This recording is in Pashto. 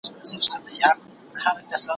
په دعا لاسونه پورته کړه اسمان ته